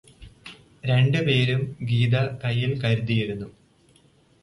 രണ്ടു പേരും ഗീത കയ്യില് കരുതിയിരുന്നു.